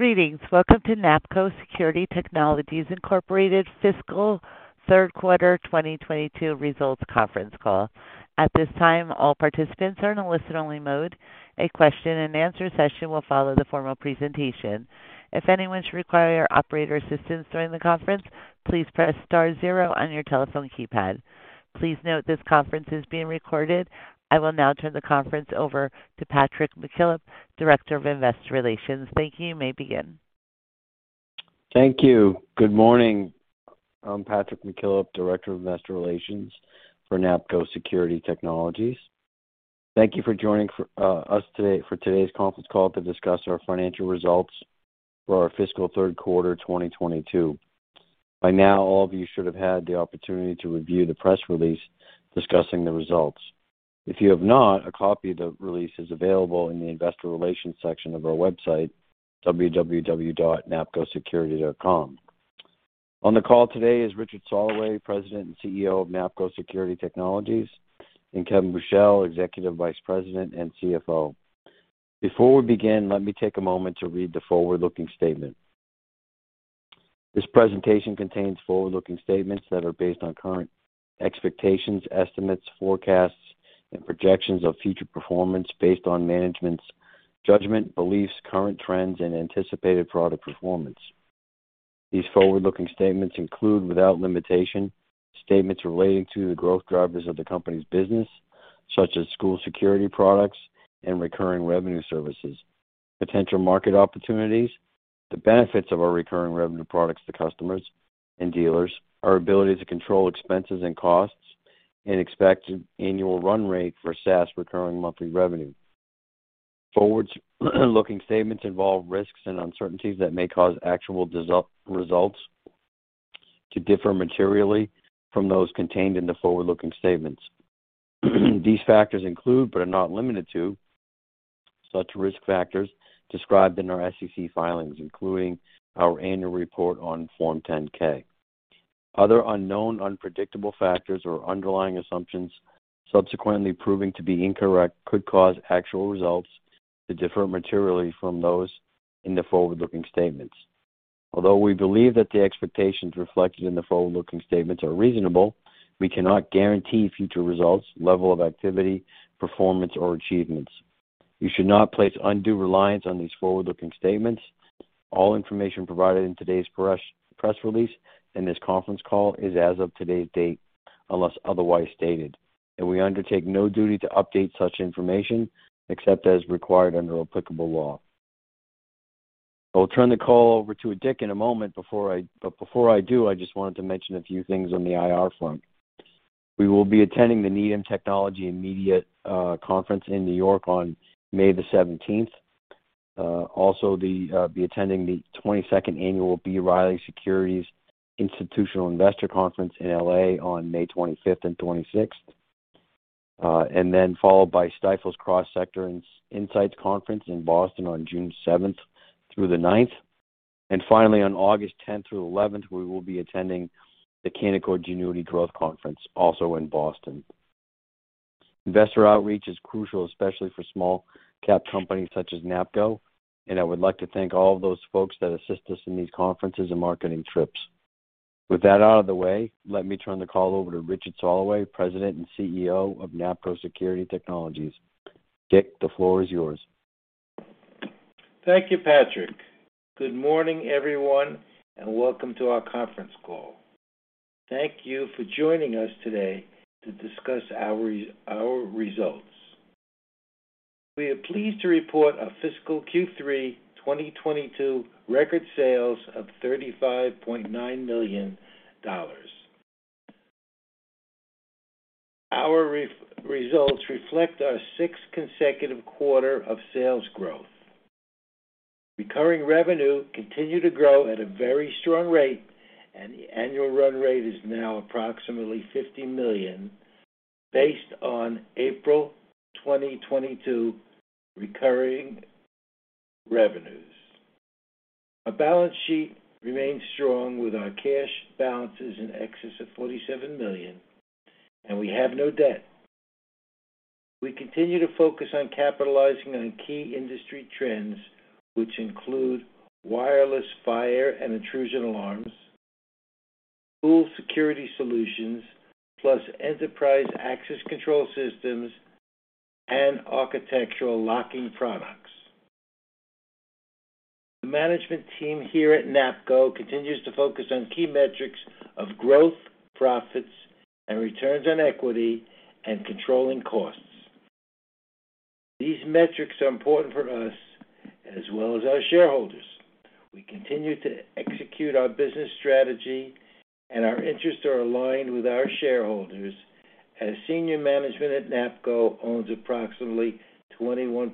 Greetings. Welcome to NAPCO Security Technologies, Inc. Fiscal Third Quarter 2022 Results Conference Call. At this time, all participants are in a listen-only mode. A question-and-answer session will follow the formal presentation. If anyone should require operator assistance during the conference, please press star zero on your telephone keypad. Please note this conference is being recorded. I will now turn the conference over to Patrick McKillop, Director of Investor Relations. Thank you. You may begin. Thank you. Good morning. I'm Patrick McKillop, Director of Investor Relations for NAPCO Security Technologies. Thank you for joining us today for today's Conference Call to discuss our Financial Results for our Fiscal Third Quarter 2022. By now, all of you should have had the opportunity to review the press release discussing the results. If you have not, a copy of the release is available in the investor relations section of our website, www.napcosecurity.com. On the call today is Richard Soloway, President and CEO of NAPCO Security Technologies, and Kevin Buchel, Executive Vice President and CFO. Before we begin, let me take a moment to read the forward-looking statement. This presentation contains forward-looking statements that are based on current expectations, estimates, forecasts, and projections of future performance based on management's judgment, beliefs, current trends, and anticipated product performance. These forward-looking statements include, without limitation, statements relating to the growth drivers of the company's business, such as school security products and recurring revenue services, potential market opportunities, the benefits of our recurring revenue products to customers and dealers, our ability to control expenses and costs, and expected annual run rate for SaaS recurring monthly revenue. Forward-looking statements involve risks and uncertainties that may cause actual results to differ materially from those contained in the forward-looking statements. These factors include, but are not limited to such risk factors described in our SEC filings, including our annual report on Form 10-K. Other unknown, unpredictable factors or underlying assumptions subsequently proving to be incorrect could cause actual results to differ materially from those in the forward-looking statements. Although we believe that the expectations reflected in the forward-looking statements are reasonable, we cannot guarantee future results, level of activity, performance, or achievements. You should not place undue reliance on these forward-looking statements. All information provided in today's press release and this conference call is as of today's date, unless otherwise stated, and we undertake no duty to update such information except as required under applicable law. I will turn the call over to Dick in a moment. Before I do, I just wanted to mention a few things on the IR front. We will be attending the Needham Technology & Media Conference in New York on May 17. Also, we will be attending the 22nd annual B. Riley Securities Institutional Investor Conference in L.A. on May 25 and 26. Followed by Stifel Cross Sector Insight Conference in Boston on June seventh through the ninth. Finally, on August tenth through eleventh, we will be attending the Canaccord Genuity Growth Conference, also in Boston. Investor outreach is crucial, especially for small-cap companies such as NAPCO, and I would like to thank all those folks that assist us in these conferences and marketing trips. With that out of the way, let me turn the call over to Richard Soloway, President and CEO of NAPCO Security Technologies. Dick, the floor is yours. Thank you, Patrick. Good morning, everyone, and welcome to our conference call. Thank you for joining us today to discuss our results. We are pleased to report our fiscal Q3 2022 record sales of $35.9 million. Our results reflect our sixth consecutive quarter of sales growth. Recurring revenue continue to grow at a very strong rate, and the annual run rate is now approximately $50 million based on April 2022 recurring revenues. Our balance sheet remains strong with our cash balances in excess of $47 million, and we have no debt. We continue to focus on capitalizing on key industry trends, which include wireless fire and intrusion alarms, school security solutions, plus enterprise access control systems and architectural locking products. The management team here at NAPCO continues to focus on key metrics of growth, profits, and returns on equity and controlling costs. These metrics are important for us as well as our shareholders. We continue to execute our business strategy and our interests are aligned with our shareholders as senior management at NAPCO owns approximately 21%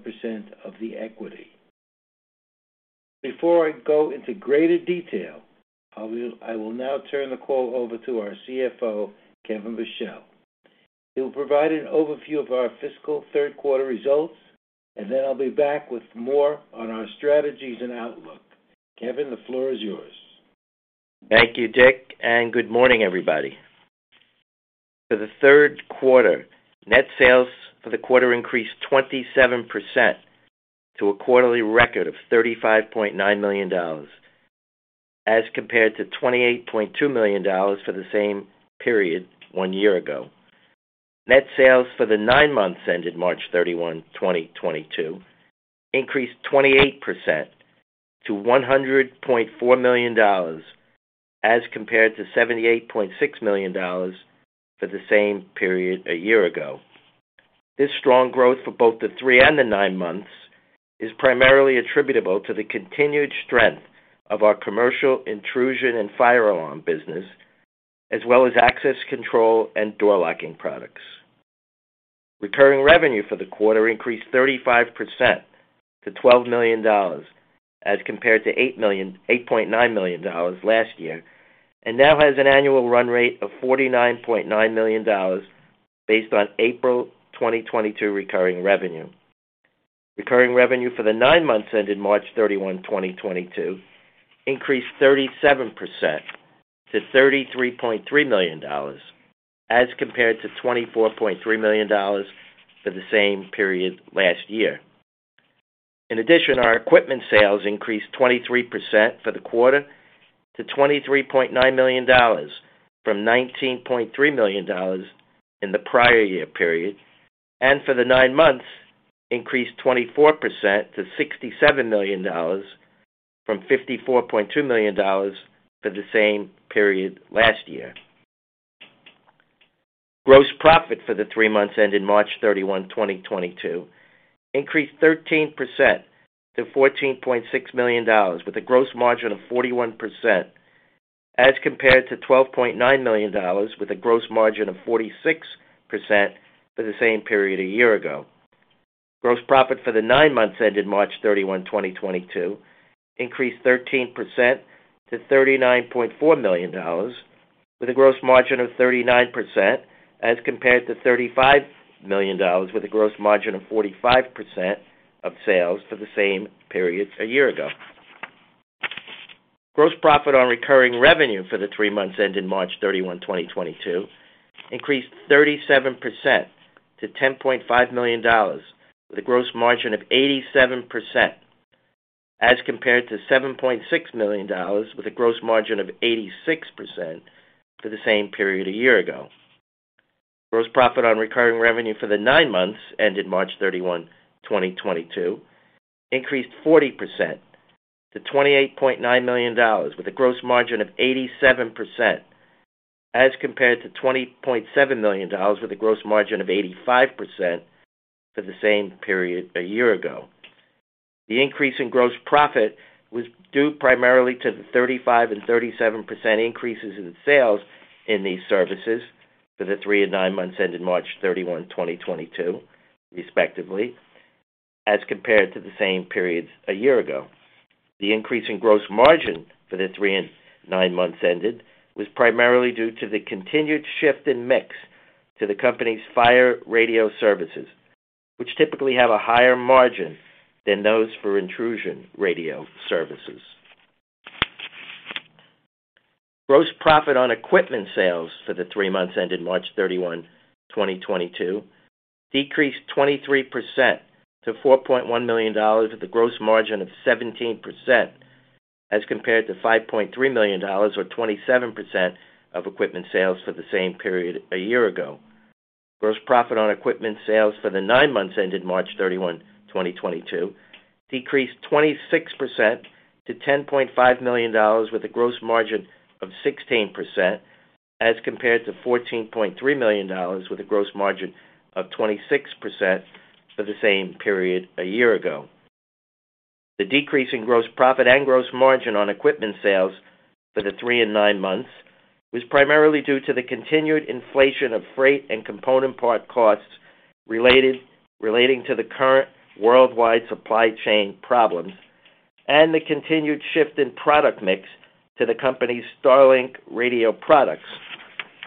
of the equity. Before I go into greater detail, I will now turn the call over to our CFO, Kevin Buchel. He will provide an overview of our fiscal third quarter results, and then I'll be back with more on our strategies and outlook. Kevin, the floor is yours. Thank you, Dick, and good morning, everybody. For the third quarter, net sales for the quarter increased 27% to a quarterly record of $35.9 million, as compared to $28.2 million for the same period one year ago. Net sales for the nine months ended March 31, 2022 increased 28% to $100.4 million as compared to $78.6 million for the same period a year ago. This strong growth for both the three and the nine months is primarily attributable to the continued strength of our commercial intrusion and fire alarm business, as well as access control and door locking products. Recurring revenue for the quarter increased 35% to $12 million as compared to $8.9 million last year, and now has an annual run rate of $49.9 million based on April 2022 recurring revenue. Recurring revenue for the nine months ended March 31, 2022 increased 37% to $33.3 million, as compared to $24.3 million for the same period last year. In addition, our equipment sales increased 23% for the quarter to $23.9 million from $19.3 million in the prior year period. For the nine months, increased 24% to $67 million from $54.2 million for the same period last year. Gross profit for the three months ended March 31, 2022 increased 13% to $14.6 million, with a gross margin of 41%, as compared to $12.9 million with a gross margin of 46% for the same period a year ago. Gross profit for the nine months ended March 31, 2022 increased 13% to $39.4 million, with a gross margin of 39%, as compared to $35 million with a gross margin of 45% of sales for the same period a year ago. Gross profit on recurring revenue for the three months ended March 31, 2022 increased 37% to $10.5 million with a gross margin of 87%, as compared to $7.6 million with a gross margin of 86% for the same period a year ago. Gross profit on recurring revenue for the nine months ended March 31, 2022 increased 40% to $28.9 million with a gross margin of 87%, as compared to $20.7 million with a gross margin of 85% for the same period a year ago. The increase in gross profit was due primarily to the 35% and 37% increases in sales in these services for the three and nine months ended March 31, 2022 respectively, as compared to the same periods a year ago. The increase in gross margin for the three and nine months ended was primarily due to the continued shift in mix to the company's fire radio services, which typically have a higher margin than those for intrusion radio services. Gross profit on equipment sales for the three months ended March 31, 2022 decreased 23% to $4.1 million, with a gross margin of 17%, as compared to $5.3 million or 27% of equipment sales for the same period a year ago. Gross profit on equipment sales for the nine months ended March 31, 2022 decreased 26% to $10.5 million with a gross margin of 16%, as compared to $14.3 million with a gross margin of 26% for the same period a year ago. The decrease in gross profit and gross margin on equipment sales for the three and nine months was primarily due to the continued inflation of freight and component part costs relating to the current worldwide supply chain problems and the continued shift in product mix to the company's StarLink radio products.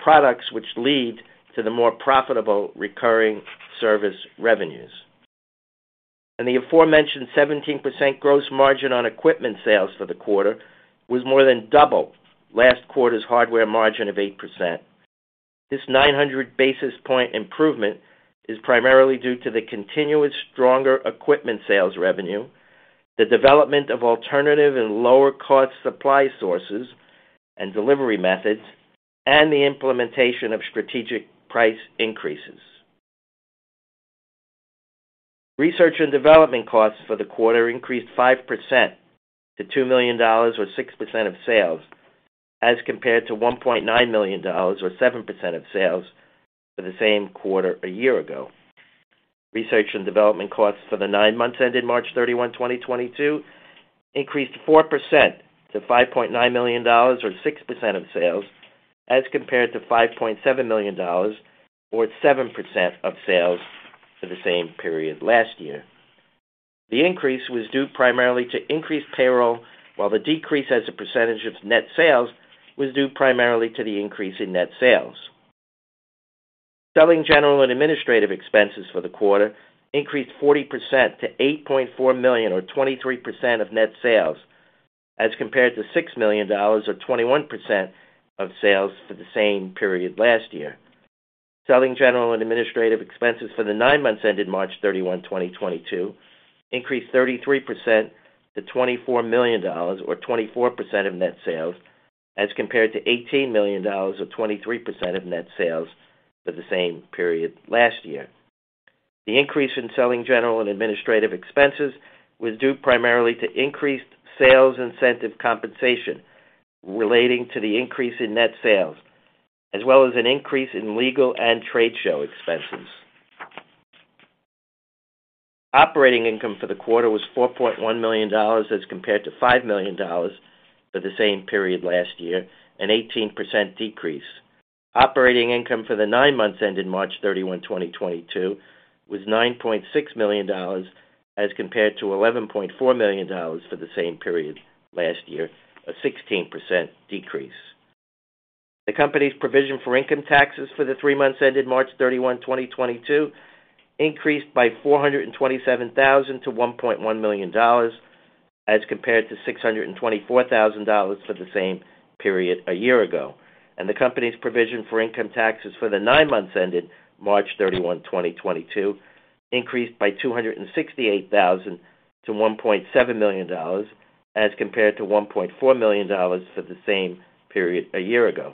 Products which lead to the more profitable recurring service revenues. The aforementioned 17% gross margin on equipment sales for the quarter was more than double last quarter's hardware margin of 8%. This 900 basis point improvement is primarily due to the continuous stronger equipment sales revenue, the development of alternative and lower cost supply sources and delivery methods, and the implementation of strategic price increases. Research and development costs for the quarter increased 5% to $2 million, or 6% of sales, as compared to $1.9 million, or 7% of sales, for the same quarter a year ago. Research and development costs for the nine months ended March 31, 2022 increased 4% to $5.9 million or 6% of sales, as compared to $5.7 million or 7% of sales for the same period last year. The increase was due primarily to increased payroll, while the decrease as a percentage of net sales was due primarily to the increase in net sales. Selling, general, and administrative expenses for the quarter increased 40% to $8.4 million or 23% of net sales. As compared to $6 million or 21% of sales for the same period last year. Selling general and administrative expenses for the nine months ended March 31, 2022 increased 33% to $24 million or 24% of net sales, as compared to $18 million or 23% of net sales for the same period last year. The increase in selling general and administrative expenses was due primarily to increased sales incentive compensation relating to the increase in net sales, as well as an increase in legal and trade show expenses. Operating income for the quarter was $4.1 million as compared to $5 million for the same period last year, an 18% decrease. Operating income for the nine months ended March 31, 2022 was $9.6 million as compared to $11.4 million for the same period last year, a 16% decrease. The company's provision for income taxes for the three months ended March 31, 2022 increased by $427,000 to $1.1 million, as compared to $624,000 for the same period a year ago. The company's provision for income taxes for the nine months ended March 31, 2022 increased by $268,000 to $1.7 million, as compared to $1.4 million for the same period a year ago.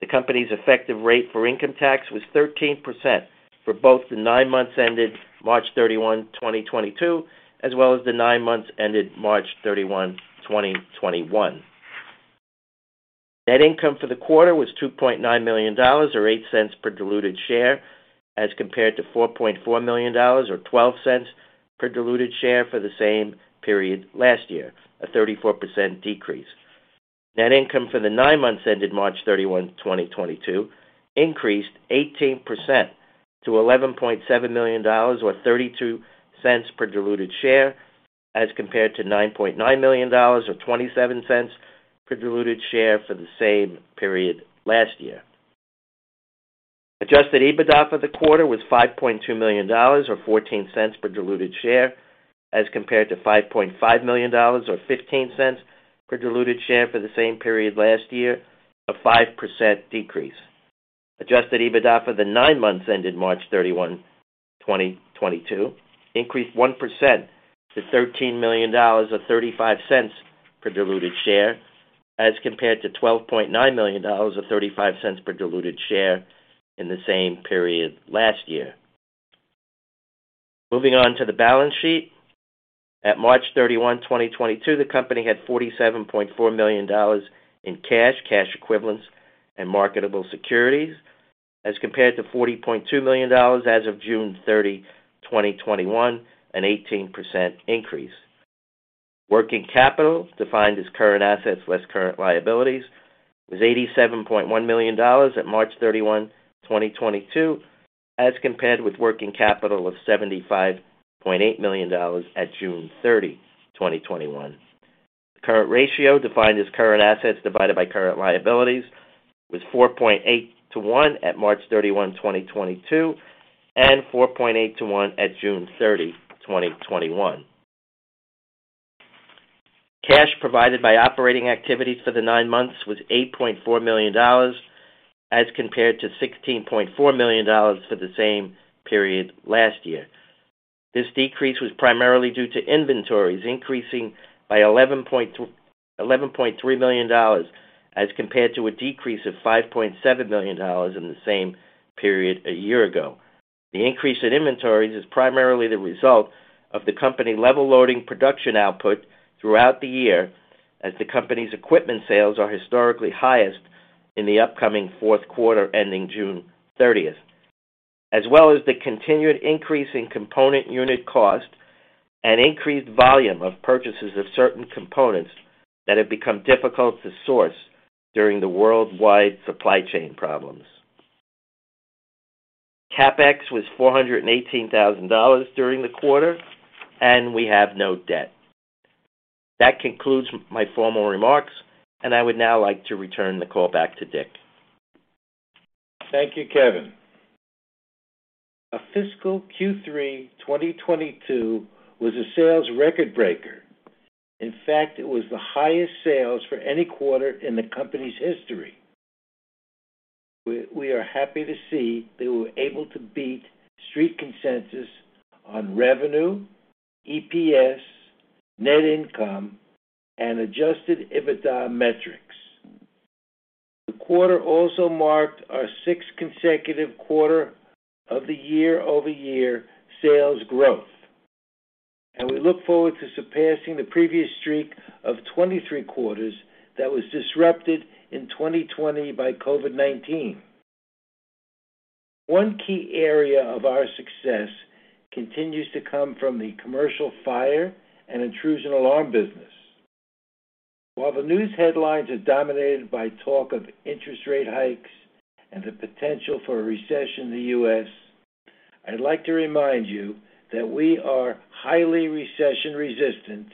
The company's effective rate for income tax was 13% for both the nine months ended March 31, 2022, as well as the nine months ended March 31, 2021. Net income for the quarter was $2.9 million or 8 cents per diluted share, as compared to $4.4 million or 12 cents per diluted share for the same period last year, a 34% decrease. Net income for the nine months ended March 31, 2022 increased 18% to $11.7 million or 32 cents per diluted share, as compared to $9.9 million or 27 cents per diluted share for the same period last year. Adjusted EBITDA for the quarter was $5.2 million or 14 cents per diluted share, as compared to $5.5 million or 15 cents per diluted share for the same period last year, a 5% decrease. Adjusted EBITDA for the nine months ended March 31, 2022 increased 1% to $13 million, or $0.35 per diluted share, as compared to $12.9 million or $0.35 per diluted share in the same period last year. Moving on to the balance sheet, at March 31, 2022, the company had $47.4 million in cash equivalents, and marketable securities, as compared to $40.2 million as of June 30, 2021, an 18% increase. Working capital, defined as current assets less current liabilities, was $87.1 million at March 31, 2022, as compared with working capital of $75.8 million at June 30, 2021. The current ratio, defined as current assets divided by current liabilities, was 4.8 to 1 at March 31, 2022, and 4.8 to 1 at June 30, 2021. Cash provided by operating activities for the nine months was $8.4 million as compared to $16.4 million for the same period last year. This decrease was primarily due to inventories increasing by $11.3 million, as compared to a decrease of $5.7 million in the same period a year ago. The increase in inventories is primarily the result of the company level loading production output throughout the year, as the company's equipment sales are historically highest in the upcoming fourth quarter ending June 30. As well as the continued increase in component unit cost and increased volume of purchases of certain components that have become difficult to source during the worldwide supply chain problems. CapEx was $418,000 during the quarter, and we have no debt. That concludes my formal remarks, and I would now like to return the call back to Dick. Thank you, Kevin. Fiscal Q3 2022 was a sales record breaker. In fact, it was the highest sales for any quarter in the company's history. We are happy to see that we were able to beat Street consensus on revenue, EPS, net income, and adjusted EBITDA metrics. The quarter also marked our sixth consecutive quarter of the year-over-year sales growth, and we look forward to surpassing the previous streak of 23 quarters that was disrupted in 2020 by COVID-19. One key area of our success continues to come from the commercial fire and intrusion alarm business. While the news headlines are dominated by talk of interest rate hikes and the potential for a recession in the U.S., I'd like to remind you that we are highly recession resistant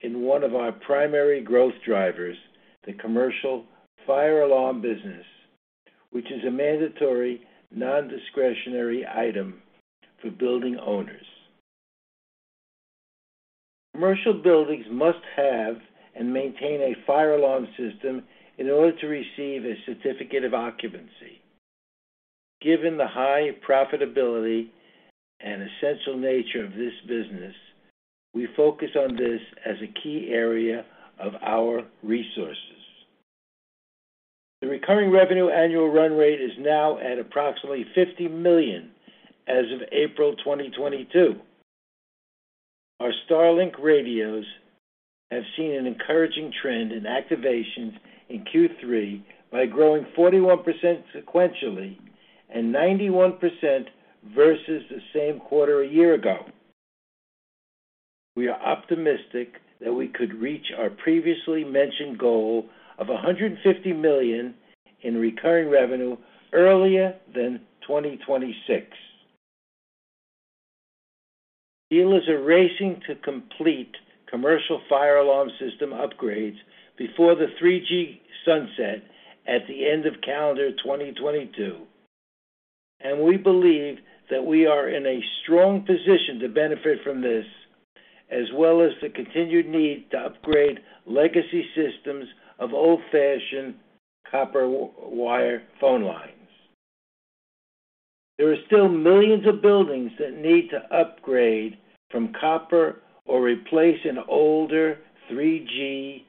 in one of our primary growth drivers, the commercial fire alarm business, which is a mandatory, non-discretionary item for building owners. Commercial buildings must have and maintain a fire alarm system in order to receive a certificate of occupancy. Given the high profitability and essential nature of this business, we focus on this as a key area of our resources. The recurring revenue annual run rate is now at approximately $50 million as of April 2022. Our StarLink radios have seen an encouraging trend in activations in Q3 by growing 41% sequentially and 91% versus the same quarter a year ago. We are optimistic that we could reach our previously mentioned goal of $150 million in recurring revenue earlier than 2026. Dealers are racing to complete commercial fire alarm system upgrades before the 3G sunset at the end of calendar 2022. We believe that we are in a strong position to benefit from this, as well as the continued need to upgrade legacy systems of old-fashioned copper wire phone lines. There are still millions of buildings that need to upgrade from copper or replace an older 3G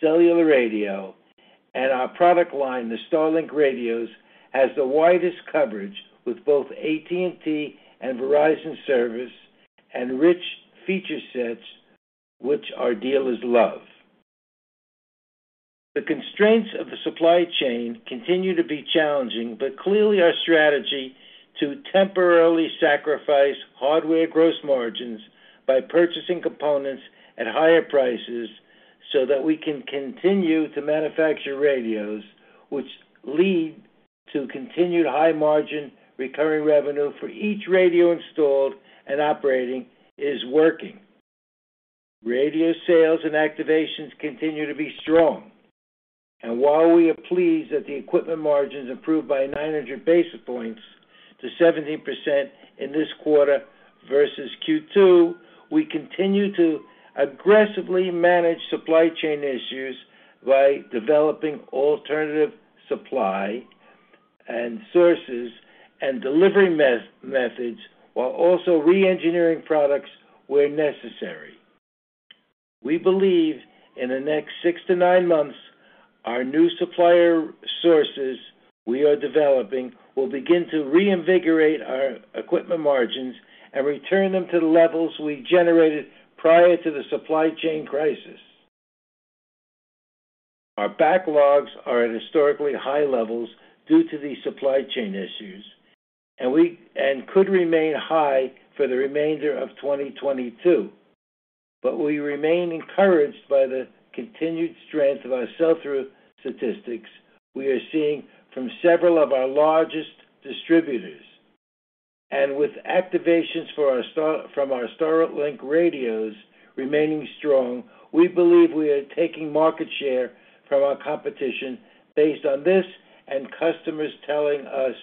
cellular radio. Our product line, the StarLink radios, has the widest coverage with both AT&T and Verizon service and rich feature sets which our dealers love. The constraints of the supply chain continue to be challenging, but clearly, our strategy to temporarily sacrifice hardware gross margins by purchasing components at higher prices so that we can continue to manufacture radios, which lead to continued high margin recurring revenue for each radio installed and operating, is working. Radio sales and activations continue to be strong. While we are pleased that the equipment margins improved by 900 basis points to 17% in this quarter versus Q2, we continue to aggressively manage supply chain issues by developing alternative supply and sources and delivery methods while also re-engineering products where necessary. We believe in the next six to nine months, our new supplier sources we are developing will begin to reinvigorate our equipment margins and return them to the levels we generated prior to the supply chain crisis. Our backlogs are at historically high levels due to these supply chain issues, and could remain high for the remainder of 2022. We remain encouraged by the continued strength of our sell-through statistics we are seeing from several of our largest distributors. With activations from our StarLink radios remaining strong, we believe we are taking market share from our competition based on this and customers telling us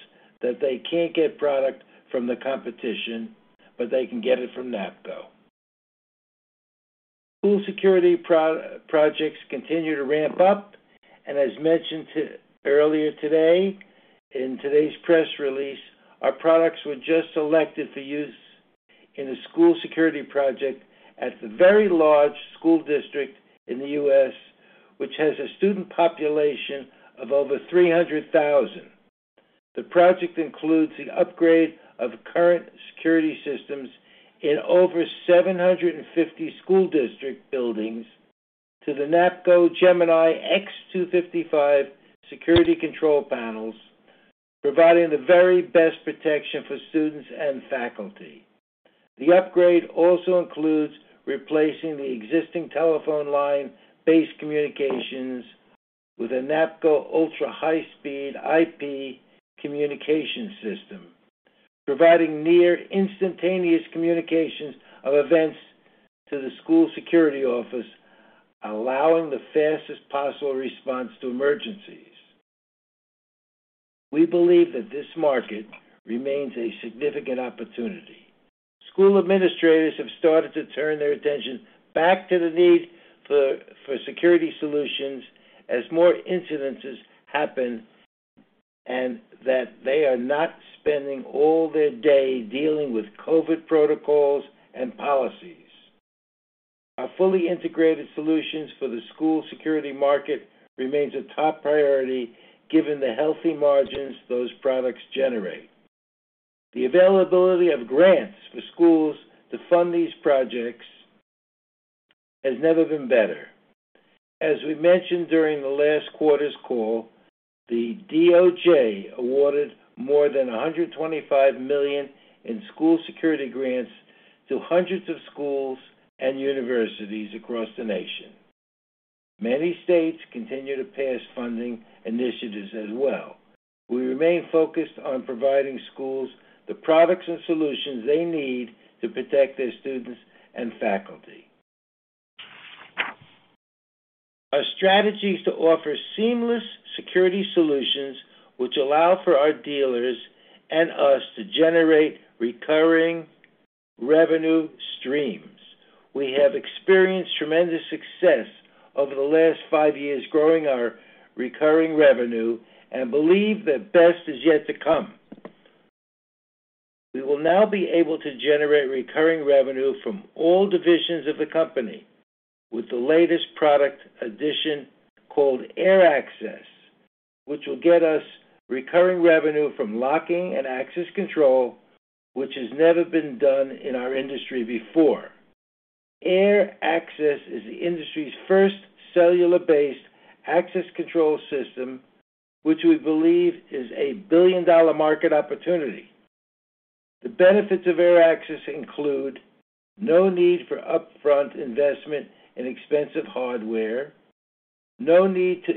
that they can't get product from the competition, but they can get it from NAPCO. School security projects continue to ramp up, and as mentioned earlier today in today's press release, our products were just selected for use in a school security project at the very large school district in the U.S., which has a student population of over 300,000. The project includes an upgrade of current security systems in over 750 school district buildings to the NAPCO Gemini X255 security control panels, providing the very best protection for students and faculty. The upgrade also includes replacing the existing telephone line-based communications with a NAPCO ultra-high speed IP communication system, providing near instantaneous communications of events to the school security office, allowing the fastest possible response to emergencies. We believe that this market remains a significant opportunity. School administrators have started to turn their attention back to the need for security solutions as more incidences happen, and that they are not spending all their day dealing with COVID protocols and policies. Our fully integrated solutions for the school security market remains a top priority given the healthy margins those products generate. The availability of grants for schools to fund these projects has never been better. As we mentioned during the last quarter's call, the DOJ awarded more than $125 million in school security grants to hundreds of schools and universities across the nation. Many states continue to pass funding initiatives as well. We remain focused on providing schools the products and solutions they need to protect their students and faculty. Our strategy is to offer seamless security solutions which allow for our dealers and us to generate recurring revenue streams. We have experienced tremendous success over the last five years growing our recurring revenue and believe the best is yet to come. We will now be able to generate recurring revenue from all divisions of the company with the latest product addition called AirAccess, which will get us recurring revenue from locking and access control, which has never been done in our industry before. AirAccess is the industry's first cellular-based access control system, which we believe is a billion-dollar market opportunity. The benefits of AirAccess include no need for upfront investment in expensive hardware, no need to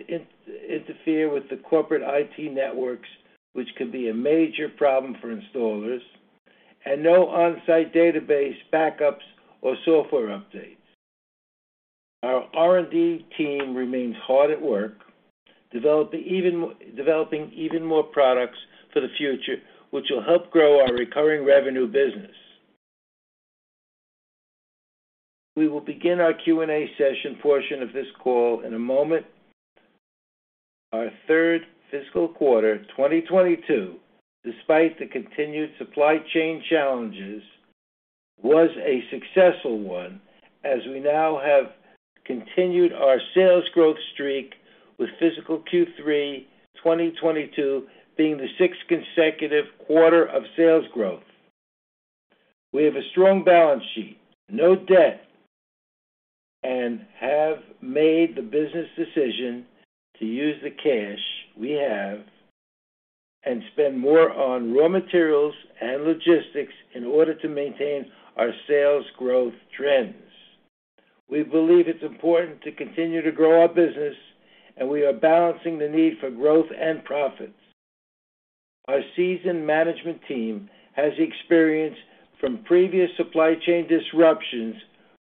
interfere with the corporate IT networks, which can be a major problem for installers, and no on-site database backups or software updates. Our R&D team remains hard at work, developing even more products for the future, which will help grow our recurring revenue business. We will begin our Q&A session portion of this call in a moment. Our third fiscal quarter, 2022, despite the continued supply chain challenges, was a successful one as we now have continued our sales growth streak, with fiscal Q3 2022 being the sixth consecutive quarter of sales growth. We have a strong balance sheet, no debt, and have made the business decision to use the cash we have and spend more on raw materials and logistics in order to maintain our sales growth trends. We believe it's important to continue to grow our business, and we are balancing the need for growth and profits. Our seasoned management team has experience from previous supply chain disruptions,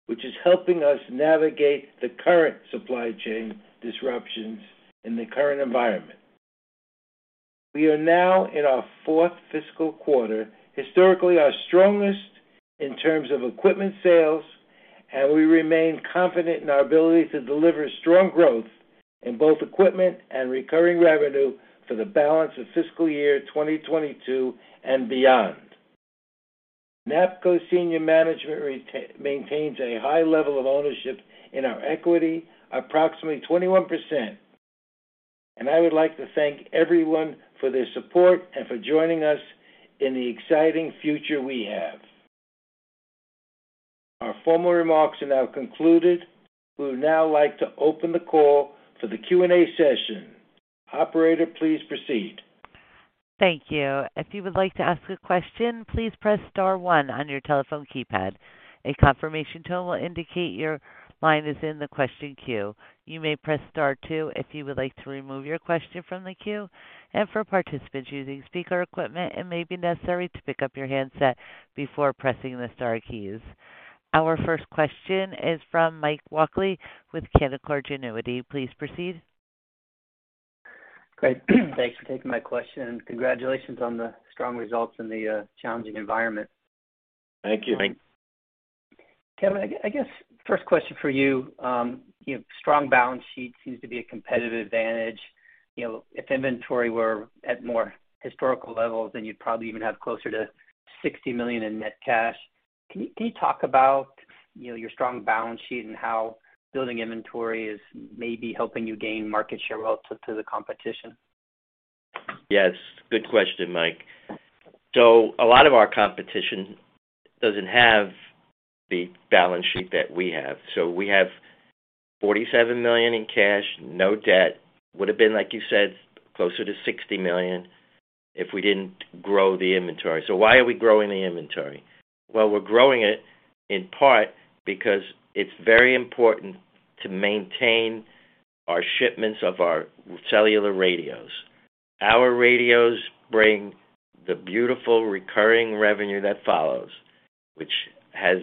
which is helping us navigate the current supply chain disruptions in the current environment. We are now in our fourth fiscal quarter, historically our strongest in terms of equipment sales, and we remain confident in our ability to deliver strong growth in both equipment and recurring revenue for the balance of fiscal year 2022 and beyond. NAPCO senior management maintains a high level of ownership in our equity, approximately 21%, and I would like to thank everyone for their support and for joining us in the exciting future we have. Our formal remarks are now concluded. We would now like to open the call for the Q&A session. Operator, please proceed. Thank you. If you would like to ask a question, please press star one on your telephone keypad. A confirmation tone will indicate your line is in the question queue. You may press star two if you would like to remove your question from the queue. For participants using speaker equipment, it may be necessary to pick up your handset before pressing the star keys. Our first question is from Mike Walkley with Canaccord Genuity. Please proceed. Great. Thanks for taking my question, and congratulations on the strong results in the challenging environment. Thank you. Kevin, I guess first question for you. You know, strong balance sheet seems to be a competitive advantage. You know, if inventory were at more historical levels, then you'd probably even have closer to $60 million in net cash. Can you talk about, you know, your strong balance sheet and how building inventory is maybe helping you gain market share relative to the competition? Yes. Good question, Mike. A lot of our competition doesn't have the balance sheet that we have. We have $47 million in cash, no debt. Would have been, like you said, closer to $60 million if we didn't grow the inventory. Why are we growing the inventory? Well, we're growing it in part because it's very important to maintain our shipments of our cellular radios. Our radios bring the beautiful recurring revenue that follows, which has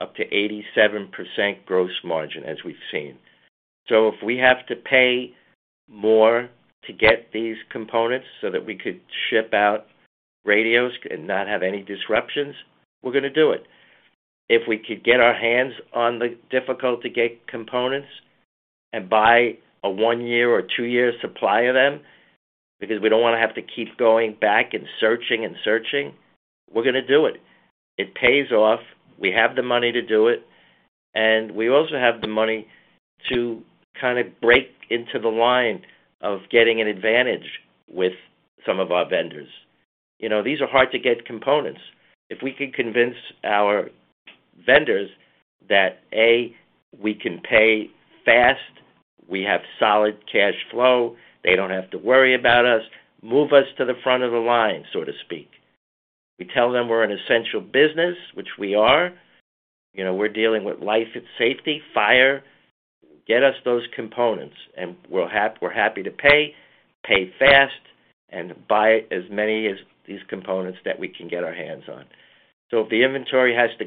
up to 87% gross margin, as we've seen. If we have to pay more to get these components so that we could ship out radios and not have any disruptions, we're gonna do it. If we could get our hands on the difficult-to-get components and buy a 1-year or 2-year supply of them, because we don't wanna have to keep going back and searching and searching, we're gonna do it. It pays off. We have the money to do it, and we also have the money to kind of break into the line of getting an advantage with some of our vendors. You know, these are hard-to-get components. If we can convince our vendors that, A, we can pay fast, we have solid cash flow, they don't have to worry about us, move us to the front of the line, so to speak. We tell them we're an essential business, which we are. You know, we're dealing with life and safety, fire. Get us those components, and we're happy to pay fast. Buy as many of these components that we can get our hands on. If the inventory has to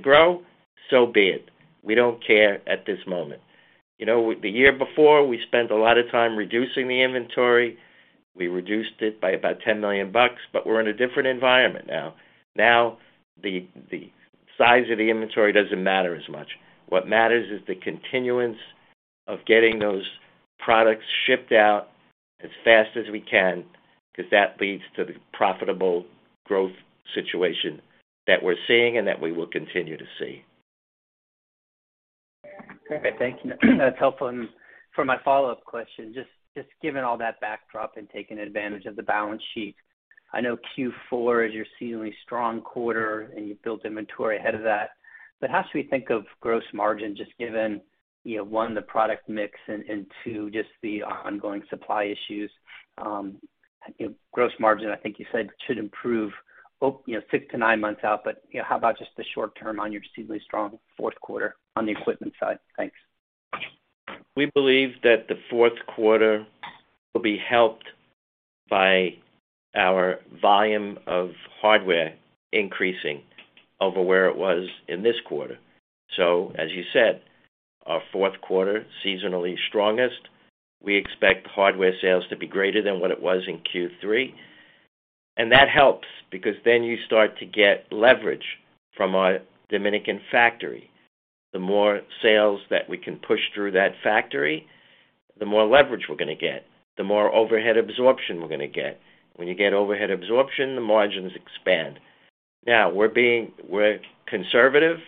grow, so be it. We don't care at this moment. You know, the year before, we spent a lot of time reducing the inventory. We reduced it by about $10 million, but we're in a different environment now. Now, the size of the inventory doesn't matter as much. What matters is the continuance of getting those products shipped out as fast as we can, 'cause that leads to the profitable growth situation that we're seeing and that we will continue to see. Okay, thank you. That's helpful. For my follow-up question, just given all that backdrop and taking advantage of the balance sheet, I know Q4 is your seasonally strong quarter, and you've built inventory ahead of that. How should we think of gross margin just given, you know, one, the product mix and two, just the ongoing supply issues? Gross margin, I think you said, should improve, you know, six-nine months out. You know, how about just the short term on your seemingly strong fourth quarter on the equipment side? Thanks. We believe that the fourth quarter will be helped by our volume of hardware increasing over where it was in this quarter. As you said, our fourth quarter, seasonally strongest. We expect hardware sales to be greater than what it was in Q3, and that helps because then you start to get leverage from our Dominican factory. The more sales that we can push through that factory, the more leverage we're gonna get, the more overhead absorption we're gonna get. When you get overhead absorption, the margins expand. Now, we're conservative.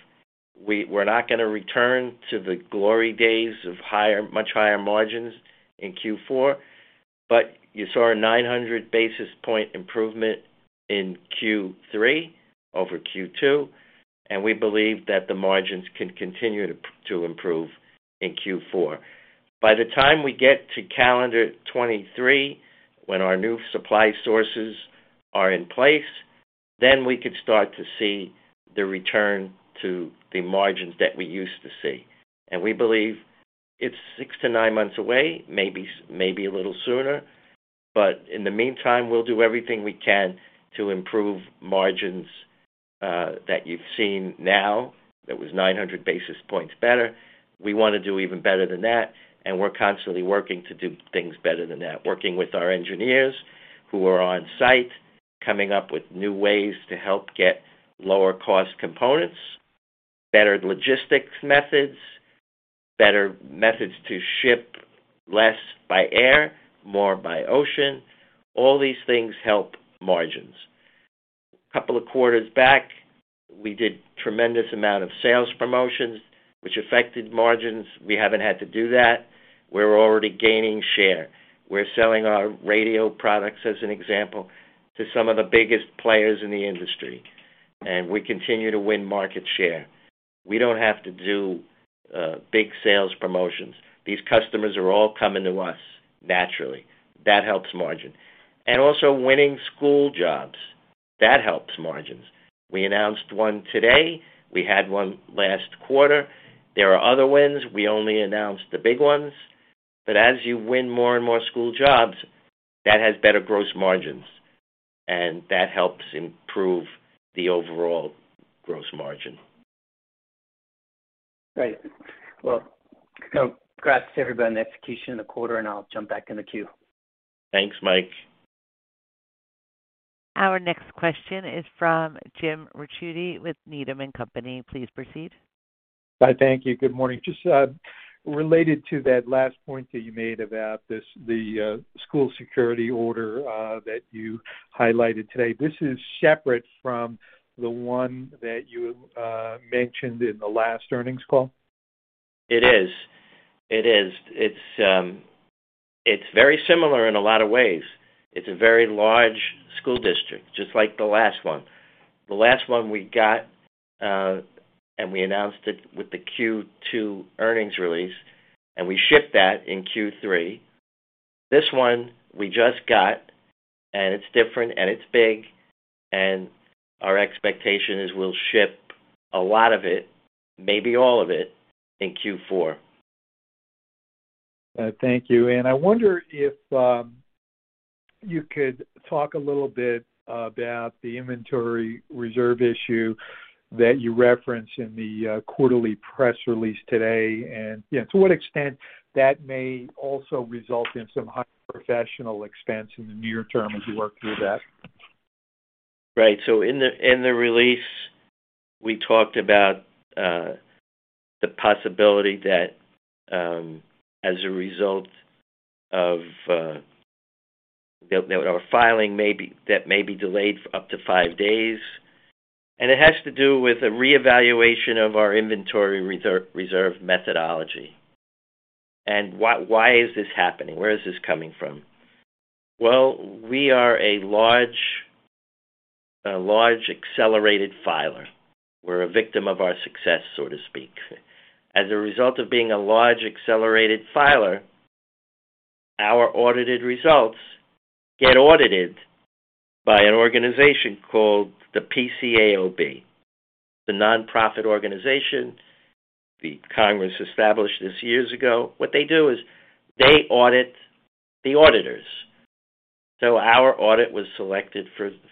We're not gonna return to the glory days of higher, much higher margins in Q4. You saw a 900 basis point improvement in Q3 over Q2, and we believe that the margins can continue to improve in Q4. By the time we get to calendar 2023, when our new supply sources are in place, then we could start to see the return to the margins that we used to see. We believe it's six-nine months away, maybe a little sooner. In the meantime, we'll do everything we can to improve margins that you've seen now. That was 900 basis points better. We wanna do even better than that, and we're constantly working to do things better than that, working with our engineers who are on site, coming up with new ways to help get lower cost components, better logistics methods, better methods to ship less by air, more by ocean. All these things help margins. A couple of quarters back, we did tremendous amount of sales promotions, which affected margins. We haven't had to do that. We're already gaining share. We're selling our radio products, as an example, to some of the biggest players in the industry, and we continue to win market share. We don't have to do big sales promotions. These customers are all coming to us naturally. That helps margin. Also winning school jobs, that helps margins. We announced one today. We had one last quarter. There are other wins. We only announce the big ones. As you win more and more school jobs, that has better gross margins, and that helps improve the overall gross margin. Great. Well, congrats to everybody on the execution in the quarter, and I'll jump back in the queue. Thanks, Mike. Our next question is from Jim Ricchiuti with Needham & Company. Please proceed. Hi. Thank you. Good morning. Just related to that last point that you made about this, the school security order that you highlighted today, this is separate from the one that you mentioned in the last earnings call? It is. It's very similar in a lot of ways. It's a very large school district, just like the last one. The last one we got, and we announced it with the Q2 earnings release, and we shipped that in Q3. This one we just got, and it's different and it's big, and our expectation is we'll ship a lot of it, maybe all of it, in Q4. I wonder if you could talk a little bit about the inventory reserve issue that you referenced in the quarterly press release today, and yeah, to what extent that may also result in some higher professional expense in the near term as you work through that. Right. So in the release, we talked about the possibility that, as a result of our filing, that may be delayed up to five days. It has to do with a reevaluation of our inventory reserve methodology. Why is this happening? Where is this coming from? We are a large accelerated filer. We're a victim of our success, so to speak. As a result of being a large accelerated filer, our audited results get audited by an organization called the PCAOB. The nonprofit organization the Congress established years ago. What they do is they audit the auditors. Our audit was selected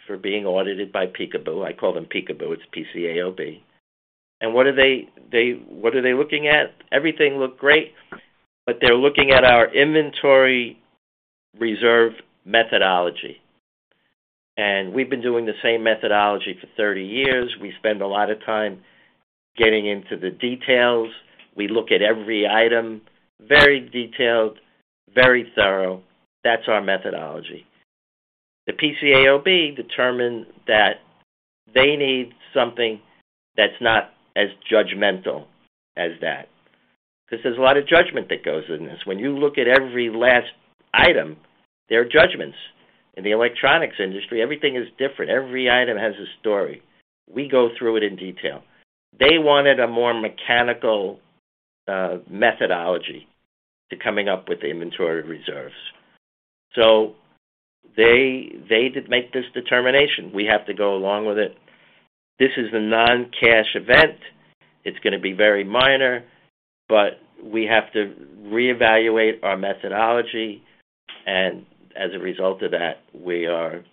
for being audited by PCAOB. I call them PCAOB, it's PCAOB. What are they looking at? Everything looked great, but they're looking at our inventory reserve methodology. We've been doing the same methodology for 30 years. We spend a lot of time getting into the details. We look at every item. Very detailed, very thorough. That's our methodology. The PCAOB determined that they need something that's not as judgmental as that. 'Cause there's a lot of judgment that goes in this. When you look at every last item, there are judgments. In the electronics industry, everything is different. Every item has a story. We go through it in detail. They wanted a more mechanical methodology to coming up with the inventory reserves. They did make this determination. We have to go along with it. This is a non-cash event. It's gonna be very minor, but we have to reevaluate our methodology, and as a result of that, we are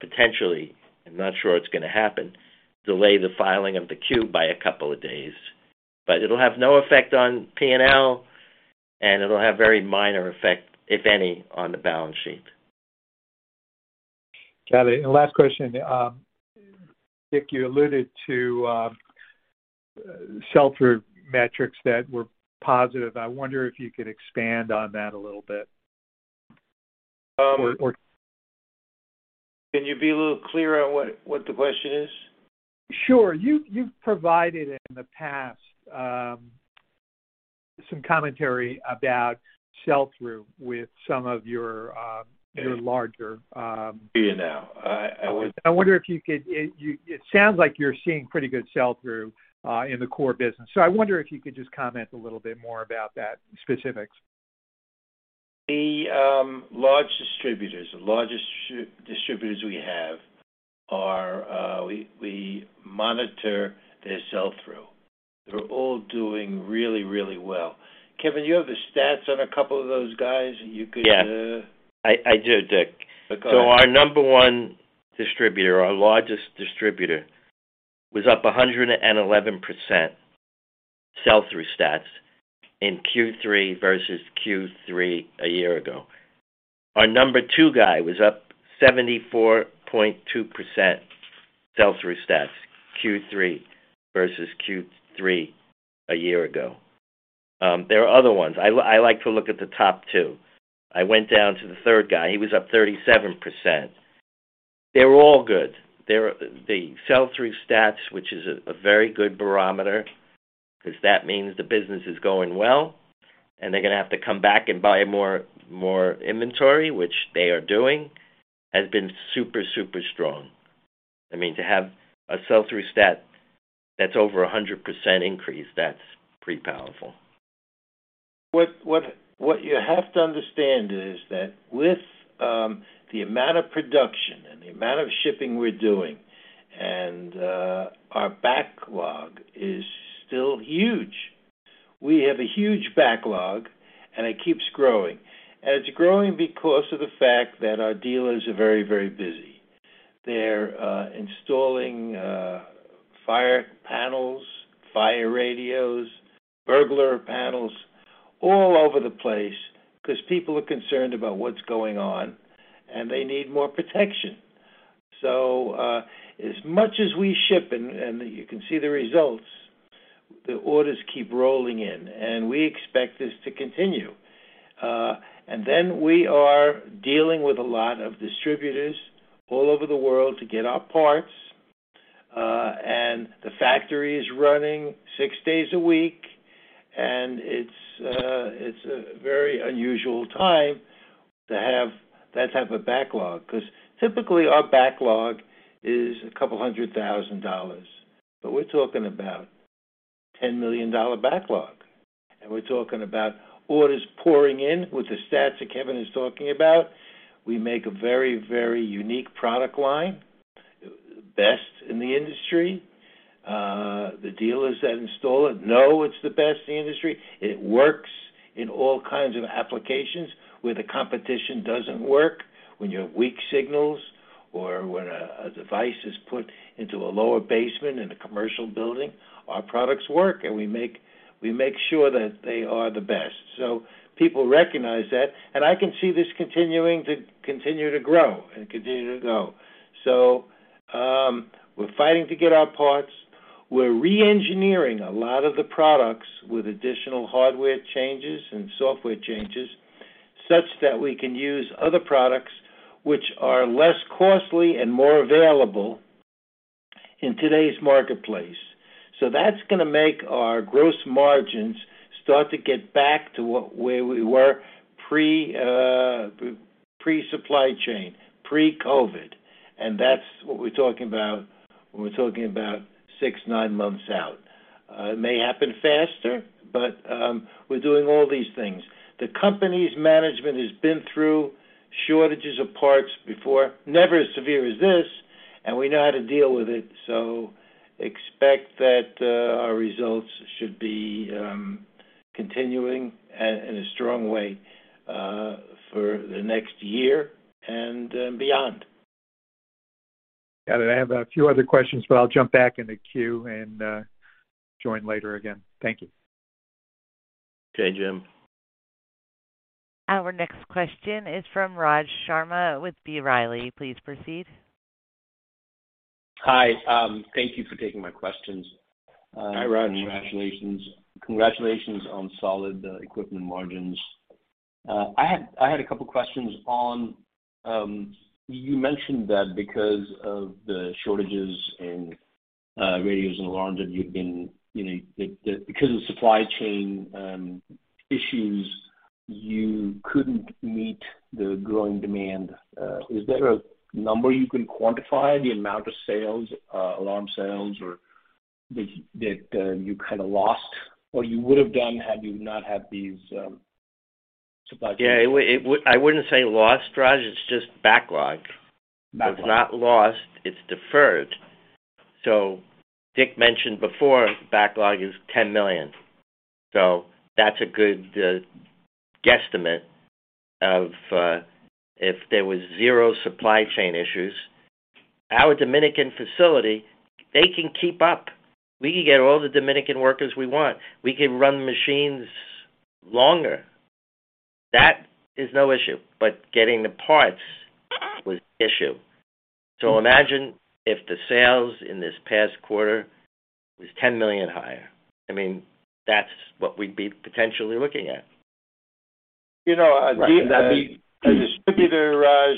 potentially, I'm not sure it's gonna happen, delay the filing of the Q by a couple of days. It'll have no effect on P&L, and it'll have very minor effect, if any, on the balance sheet. Got it. Last question, Dick, you alluded to sell-through metrics that were positive. I wonder if you could expand on that a little bit. Can you be a little clearer on what the question is? Sure. You've provided in the past some commentary about sell-through with some of your. Yeah. -your larger- Hear you now. I was- It sounds like you're seeing pretty good sell-through in the core business. I wonder if you could just comment a little bit more about that, specifics. The large distributors, the largest distributors we have are. We monitor their sell-through. They're all doing really, really well. Kevin, you have the stats on a couple of those guys that you could- Yeah. I do, Dick. Go ahead. Our number one distributor, our largest distributor, was up 111% sell-through stats in Q3 versus Q3 a year ago. Our number two guy was up 74.2% sell-through stats, Q3 versus Q3 a year ago. There are other ones. I like to look at the top two. I went down to the third guy, he was up 37%. They're all good. They're The sell-through stats, which is a very good barometer, 'cause that means the business is going well, and they're gonna have to come back and buy more inventory, which they are doing, has been super strong. I mean, to have a sell-through stat that's over 100% increase, that's pretty powerful. What you have to understand is that with the amount of production and the amount of shipping we're doing and our backlog is still huge. We have a huge backlog, and it keeps growing. It's growing because of the fact that our dealers are very, very busy. They're installing fire panels, fire radios, burglar panels all over the place 'cause people are concerned about what's going on, and they need more protection. As much as we ship and you can see the results, the orders keep rolling in, and we expect this to continue. We are dealing with a lot of distributors all over the world to get our parts, and the factory is running six days a week, and it's a very unusual time to have that type of backlog. 'Cause typically, our backlog is $200,000, but we're talking about $10 million backlog. We're talking about orders pouring in with the stats that Kevin is talking about. We make a very, very unique product line, best in the industry. The dealers that install it know it's the best in the industry. It works in all kinds of applications where the competition doesn't work, when you have weak signals or when a device is put into a lower basement in a commercial building, our products work, and we make sure that they are the best. People recognize that, and I can see this continuing to grow and continue to go. We're fighting to get our parts. We're re-engineering a lot of the products with additional hardware changes and software changes such that we can use other products which are less costly and more available in today's marketplace. That's gonna make our gross margins start to get back to where we were pre-supply chain, pre-COVID. That's what we're talking about when we're talking about six-nine months out. It may happen faster, but we're doing all these things. The company's management has been through shortages of parts before, never as severe as this, and we know how to deal with it. Expect that our results should be continuing in a strong way for the next year and beyond. Got it. I have a few other questions, but I'll jump back in the queue and join later again. Thank you. Okay, Jim. Our next question is from Raj Sharma with B. Riley. Please proceed. Hi. Thank you for taking my questions. Hi, Raj. Congratulations on solid equipment margins. I had a couple questions on. You mentioned that because of the shortages in radios and alarms that because of supply chain issues, you couldn't meet the growing demand. Is there a number you can quantify the amount of sales, alarm sales or that you kinda lost or you would have done had you not had these supply chain? Yeah. I wouldn't say lost, Raj. It's just backlog. Backlog. It's not lost. It's deferred. Dick mentioned before, backlog is $10 million. That's a good guesstimate of if there was zero supply chain issues. Our Dominican facility, they can keep up. We can get all the Dominican workers we want. We can run machines longer. That is no issue, but getting the parts was the issue. Imagine if the sales in this past quarter was $10 million higher. I mean, that's what we'd be potentially looking at. You know, Right. A distributor, Raj,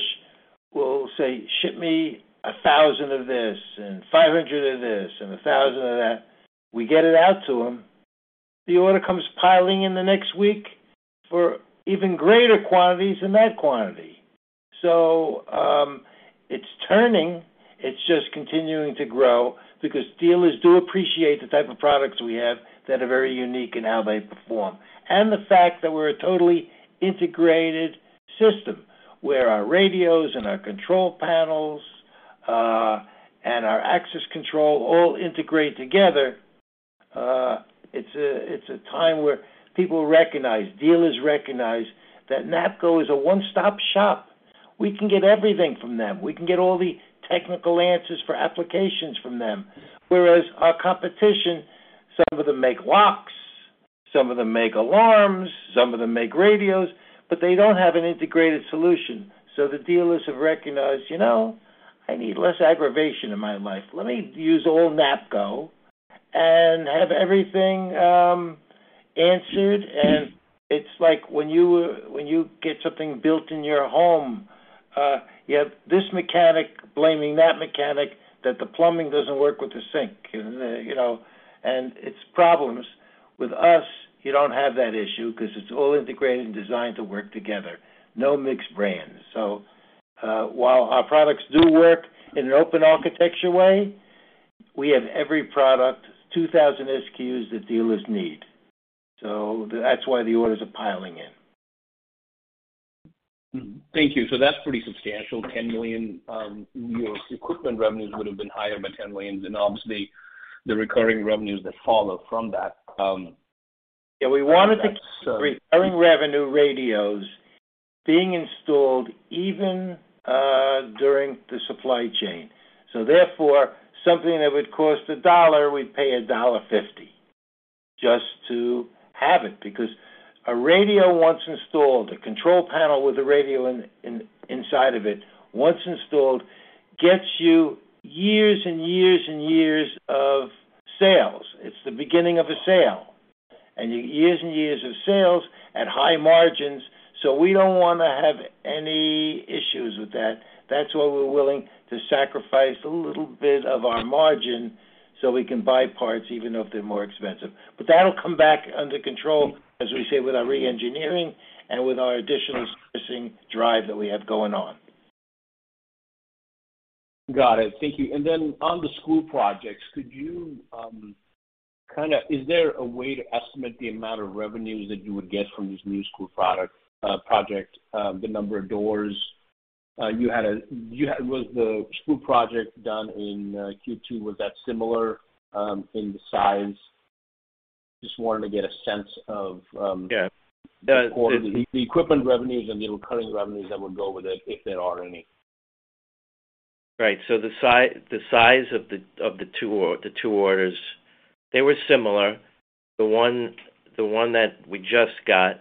will say, "Ship me 1,000 of this and 500 of this and 1,000 of that." We get it out to them. The order comes piling in the next week for even greater quantities than that quantity. It's turning. It's just continuing to grow because dealers do appreciate the type of products we have that are very unique in how they perform and the fact that we're a totally integrated system, where our radios and our control panels and our access control all integrate together. It's a time where people recognize, dealers recognize that NAPCO is a one-stop shop. We can get everything from them. We can get all the technical answers for applications from them. Whereas our competition, some of them make locks, some of them make alarms, some of them make radios, but they don't have an integrated solution. So the dealers have recognized, "You know, I need less aggravation in my life. Let me use old NAPCO and have everything answered." It's like when you get something built in your home, you have this mechanic blaming that mechanic that the plumbing doesn't work with the sink, you know. It's problems. With us, you don't have that issue 'cause it's all integrated and designed to work together. No mixed brands. While our products do work in an open architecture way, we have every product, 2,000 SKUs that dealers need. That's why the orders are piling in. Thank you. That's pretty substantial, $10 million. Your equipment revenues would have been higher by $10 million, then obviously the recurring revenues that follow from that. Yeah, we wanted to. Sorry. Recurring revenue radios being installed even during the supply chain. Therefore, something that would cost $1, we'd pay $1.50 just to have it. Because a radio, once installed, a control panel with a radio inside of it, gets you years and years and years of sales. It's the beginning of a sale. Years and years of sales at high margins, so we don't wanna have any issues with that. That's why we're willing to sacrifice a little bit of our margin, so we can buy parts even if they're more expensive. That'll come back under control, as we say, with our re-engineering and with our additional servicing drive that we have going on. Got it. Thank you. On the school projects, is there a way to estimate the amount of revenues that you would get from these new school product projects, the number of doors? Was the school project done in Q2? Was that similar in the size? Just wanted to get a sense of. Yeah. The equipment revenues and the recurring revenues that would go with it, if there are any. Right. The size of the two orders, they were similar. The one that we just got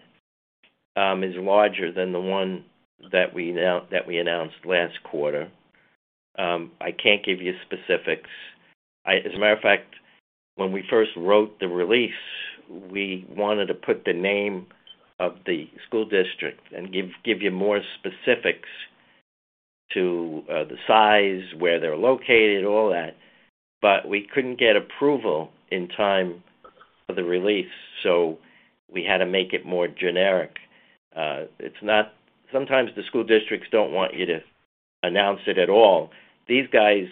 is larger than the one that we announced last quarter. I can't give you specifics. As a matter of fact, when we first wrote the release, we wanted to put the name of the school district and give you more specifics to the size, where they're located, all that, but we couldn't get approval in time for the release, so we had to make it more generic. It's not. Sometimes the school districts don't want you to announce it at all. These guys,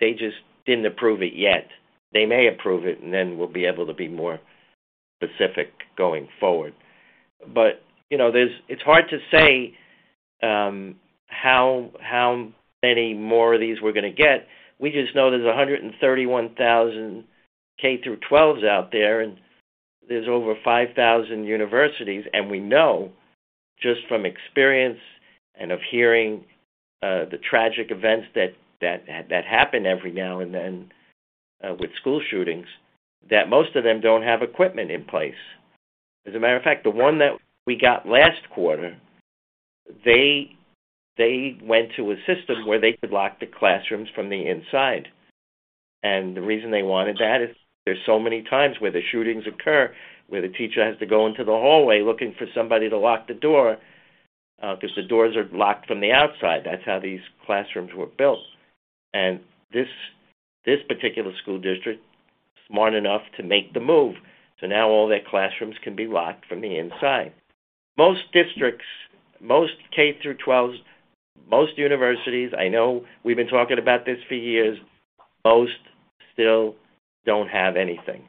they just didn't approve it yet. They may approve it, and then we'll be able to be more specific going forward. You know, it's hard to say how many more of these we're gonna get. We just know there's 131,000 K through 12s out there, and there's over 5,000 universities. We know just from experience and of hearing the tragic events that happen every now and then with school shootings that most of them don't have equipment in place. As a matter of fact, the one that we got last quarter, they went to a system where they could lock the classrooms from the inside. The reason they wanted that is there's so many times where the shootings occur, where the teacher has to go into the hallway looking for somebody to lock the door, 'cause the doors are locked from the outside. That's how these classrooms were built. This particular school district, smart enough to make the move, so now all their classrooms can be locked from the inside. Most districts, most K-12s, most universities, I know we've been talking about this for years, most still don't have anything.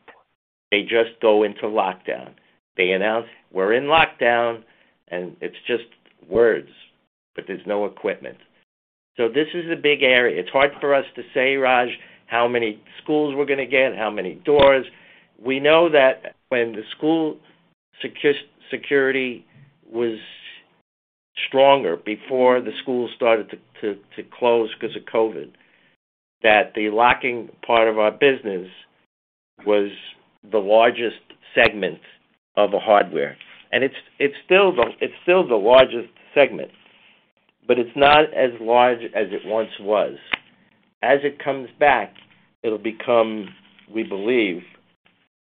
They just go into lockdown. They announce, "We're in lockdown," and it's just words, but there's no equipment. This is a big area. It's hard for us to say, Raj, how many schools we're gonna get, how many doors. We know that when the school security was stronger, before the schools started to close 'cause of COVID, that the locking part of our business was the largest segment of the hardware. It's still the largest segment, but it's not as large as it once was. As it comes back, it'll become, we believe,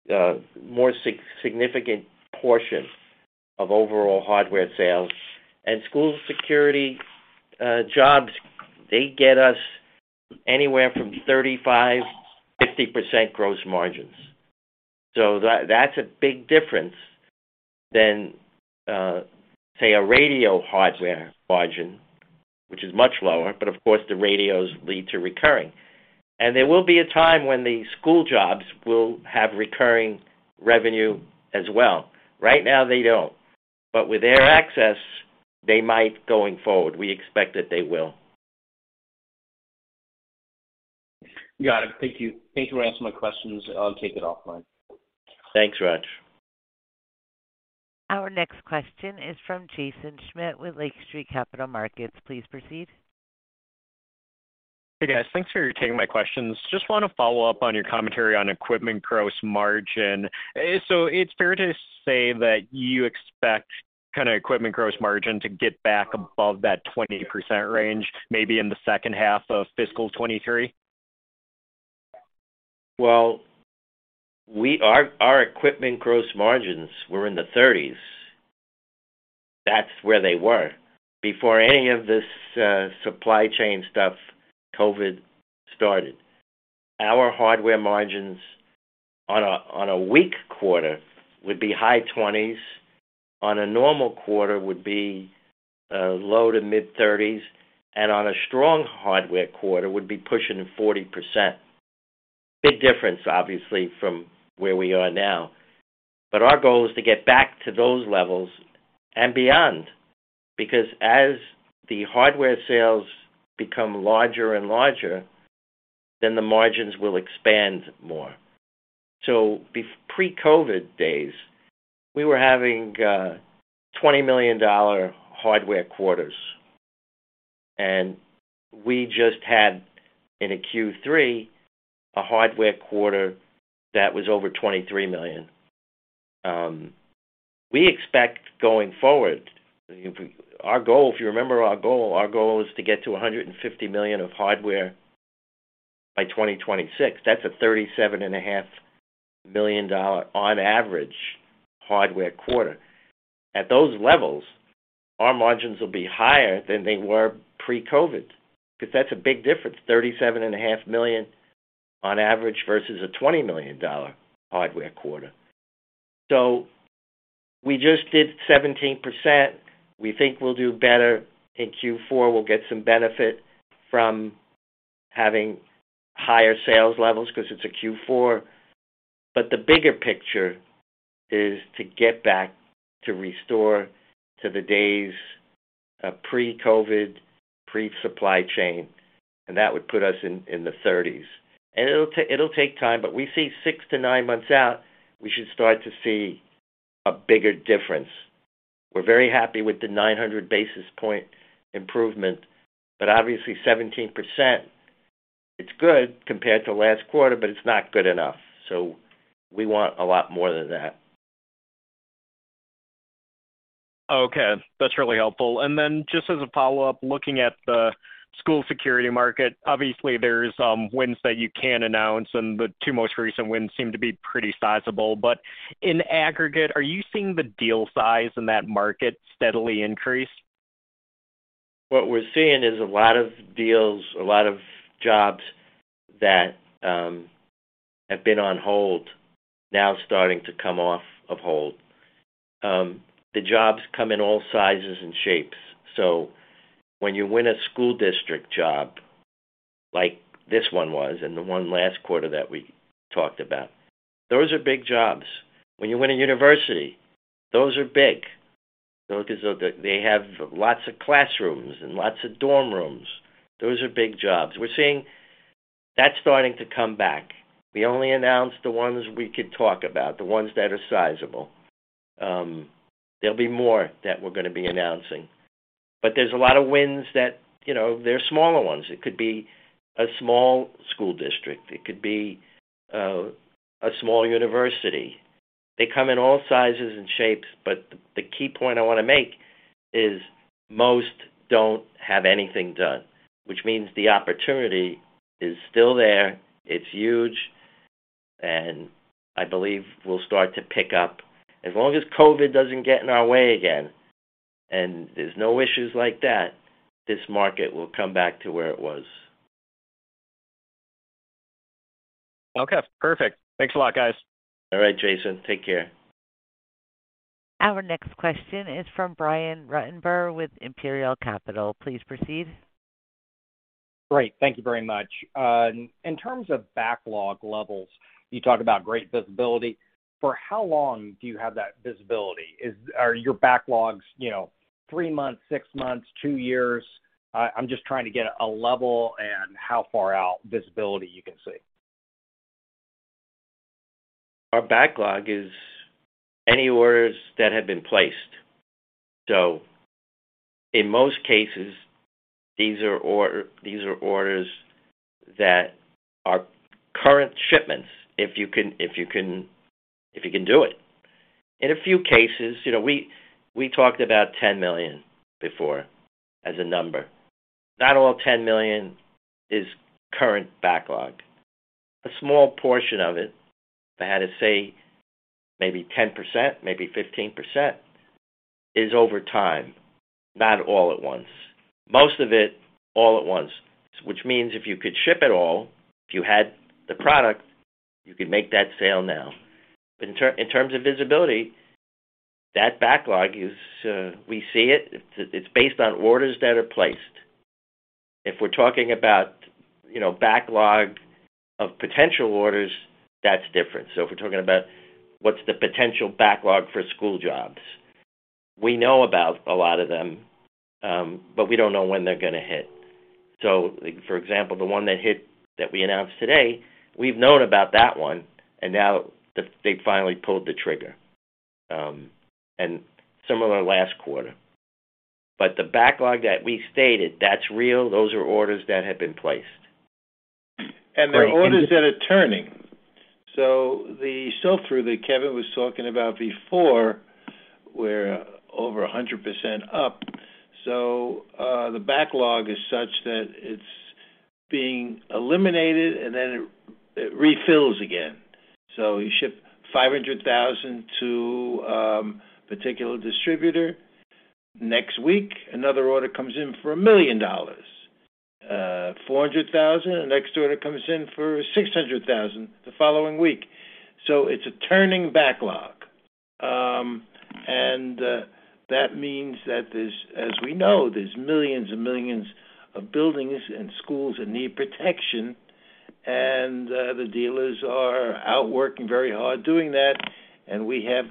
a more significant portion of overall hardware sales. School security jobs, they get us anywhere from 35%-50% gross margins. That's a big difference than say, a radio hardware margin, which is much lower, but of course, the radios lead to recurring. There will be a time when the school jobs will have recurring revenue as well. Right now, they don't. With AirAccess, they might going forward. We expect that they will. Got it. Thank you. Thank you for answering my questions. I'll take it offline. Thanks, Raj. Our next question is from Jaeson Schmidt with Lake Street Capital Markets. Please proceed. Hey, guys. Thanks for taking my questions. Just want to follow up on your commentary on equipment gross margin. It's fair to say that you expect kinda equipment gross margin to get back above that 20% range maybe in the second half of fiscal 2023? Our equipment gross margins were in the 30s. That's where they were before any of this, supply chain stuff, COVID started. Our hardware margins on a weak quarter would be high 20s, on a normal quarter would be low to mid-30s, and on a strong hardware quarter would be pushing 40%. Big difference, obviously, from where we are now. Our goal is to get back to those levels and beyond. Because as the hardware sales become larger and larger, then the margins will expand more. pre-COVID days, we were having $20 million hardware quarters, and we just had in a Q3 a hardware quarter that was over $23 million. We expect going forward, if... Our goal, if you remember, is to get to 150 million of hardware by 2026. That's a $37.5 million on average hardware quarter. At those levels, our margins will be higher than they were pre-COVID, 'cause that's a big difference, $37.5 million on average versus a $20 million hardware quarter. We just did 17%. We think we'll do better in Q4. We'll get some benefit from having higher sales levels because it's a Q4. The bigger picture is to get back, to restore to the days of pre-COVID, pre-supply chain, and that would put us in the thirties. It'll take time, but we see 6-9 months out, we should start to see a bigger difference. We're very happy with the 900 basis point improvement, but obviously 17%, it's good compared to last quarter, but it's not good enough, so we want a lot more than that. Okay. That's really helpful. Then just as a follow-up, looking at the school security market, obviously there's wins that you can't announce, and the two most recent wins seem to be pretty sizable. In aggregate, are you seeing the deal size in that market steadily increase? What we're seeing is a lot of deals, a lot of jobs that have been on hold now starting to come off of hold. The jobs come in all sizes and shapes. When you win a school district job like this one was and the one last quarter that we talked about, those are big jobs. When you win a university, those are big. They have lots of classrooms and lots of dorm rooms. Those are big jobs. We're seeing that starting to come back. We only announce the ones we could talk about, the ones that are sizable. There'll be more that we're gonna be announcing, but there's a lot of wins that, you know, they're smaller ones. It could be a small school district. It could be a small university. They come in all sizes and shapes. The key point I wanna make is most don't have anything done, which means the opportunity is still there. It's huge, and I believe we'll start to pick up. As long as COVID doesn't get in our way again, and there's no issues like that, this market will come back to where it was. Okay, perfect. Thanks a lot, guys. All right, Jaeson. Take care. Our next question is from Brian Ruttenbur with Imperial Capital. Please proceed. Great. Thank you very much. In terms of backlog levels, you talk about great visibility. For how long do you have that visibility? Are your backlogs, you know, three months, six months, two years? I'm just trying to get a level and how far out visibility you can see. Our backlog is any orders that have been placed. In most cases, these are orders that are current shipments, if you can do it. In a few cases, you know, we talked about $10 million before as a number. Not all $10 million is current backlog. A small portion of it, if I had to say maybe 10%, maybe 15% is over time, not all at once. Most of it, all at once. Which means if you could ship it all, if you had the product, you could make that sale now. In terms of visibility, that backlog is. We see it. It's based on orders that are placed. If we're talking about, you know, backlog of potential orders, that's different. If we're talking about what's the potential backlog for school jobs, we know about a lot of them, but we don't know when they're gonna hit. For example, the one that hit that we announced today, we've known about that one, and now they've finally pulled the trigger, and similar last quarter. The backlog that we stated, that's real. Those are orders that have been placed. They're orders that are turning. The sell-through that Kevin was talking about before were over 100% up. The backlog is such that it's being eliminated and then it refills again. You ship $500,000 to particular distributor. Next week, another order comes in for $1 million, $400,000, the next order comes in for $600,000 the following week. It's a turning backlog. That means that there's, as we know, there's millions and millions of buildings and schools that need protection. The dealers are out working very hard doing that, and we have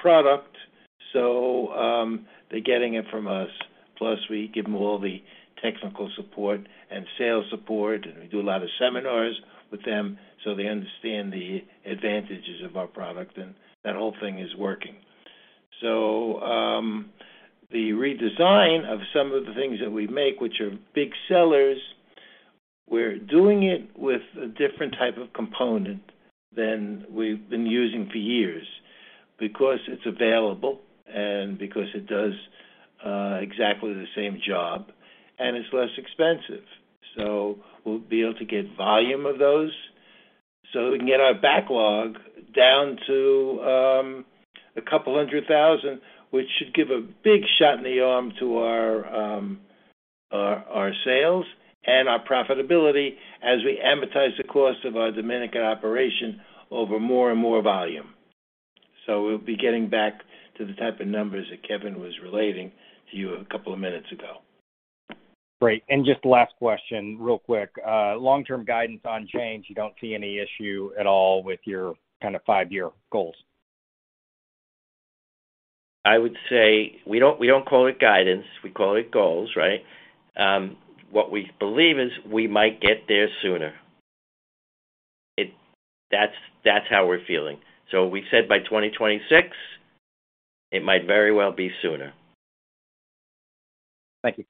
product. They're getting it from us. Plus, we give them all the technical support and sales support, and we do a lot of seminars with them so they understand the advantages of our product, and that whole thing is working. The redesign of some of the things that we make, which are big sellers, we're doing it with a different type of component than we've been using for years because it's available and because it does exactly the same job and it's less expensive. We'll be able to get volume of those, so we can get our backlog down to $200,000, which should give a big shot in the arm to our sales and our profitability as we amortize the cost of our Dominican operation over more and more volume. We'll be getting back to the type of numbers that Kevin was relating to you a couple of minutes ago. Great. Just last question real quick. Long-term guidance on change, you don't see any issue at all with your kinda five-year goals? I would say we don't call it guidance, we call it goals, right? What we believe is we might get there sooner. That's how we're feeling. We said by 2026, it might very well be sooner. Thank you.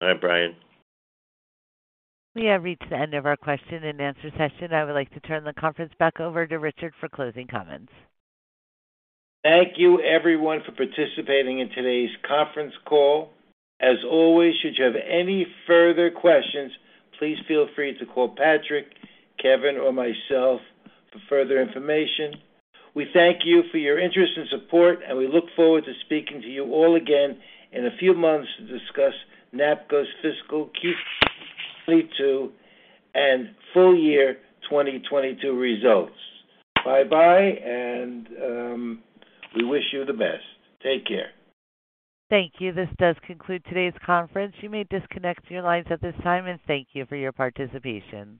All right, Brian. We have reached the end of our question and answer session. I would like to turn the conference back over to Richard for closing comments. Thank you everyone for participating in today's conference call. As always, should you have any further questions, please feel free to call Patrick, Kevin, or myself for further information. We thank you for your interest and support, and we look forward to speaking to you all again in a few months to discuss NAPCO's fiscal Q2 and full year 2022 results. Bye-bye, and we wish you the best. Take care. Thank you. This does conclude today's conference. You may disconnect your lines at this time, and thank you for your participation.